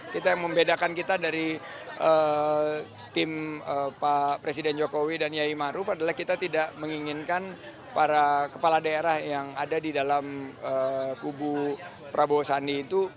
kita yang membedakan kita dari tim pak presiden jokowi dan yai ⁇ maruf ⁇ adalah kita tidak menginginkan para kepala daerah yang ada di dalam kubu prabowo sandi itu